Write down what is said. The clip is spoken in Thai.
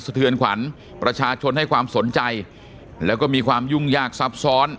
เทือนขวัญประชาชนให้ความสนใจแล้วก็มีความยุ่งยากซับซ้อน